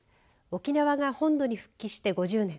沖縄が本土に復帰して５０年。